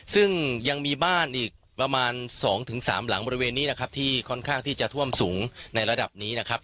ซึ่งยังมีบ้านอีกประมาณ๒๓หลังบริเวณนี้นะครับที่ค่อนข้างที่จะท่วมสูงในระดับนี้นะครับ